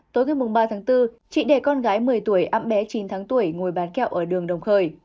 tối ngày ba tháng bốn chị để con gái một mươi tuổi ấm bé chín tháng tuổi ngồi bán kẹo ở đường đồng khời